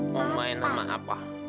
mau main sama apa